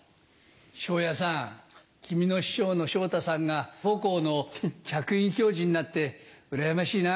昇也さん君の師匠の昇太さんが母校の客員教授になってうらやましいな。